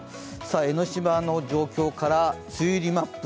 江の島の状況から梅雨入りマップ。